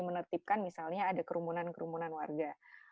menertibkan misalnya ada kerumunan kerumunan warga